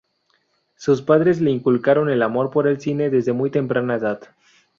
Sus padres le inculcaron el amor por el cine desde muy temprana edad.